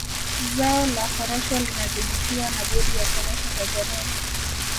Zao la korosho linadhibitiwa na bodi ya korosho Tanzania